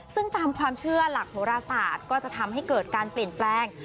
ซึ่งตามความเชื่อหลักโหราศาสตร์ก็จะทำให้เกิดการเปลี่ยนแปลง